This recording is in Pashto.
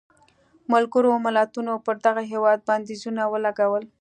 ملګرو ملتونو پر دغه هېواد بندیزونه ولګول.